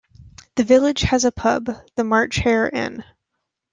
The village has a pub, the March Hare Inn.